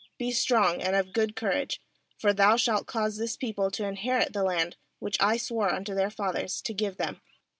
6Be strong and of good courage; for thou shalt cause this people to inherit the land which I swore unto their fathers to give them.